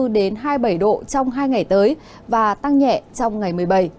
đến hai mươi bảy độ trong hai ngày tới và tăng nhẹ trong ngày một mươi bảy